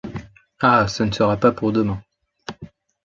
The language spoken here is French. Ah ! ce ne sera pas pour demain…